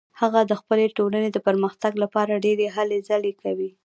هغه د خپلې ټولنې د پرمختګ لپاره ډیرې هلې ځلې کوي